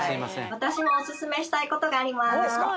私もおすすめしたいことがあります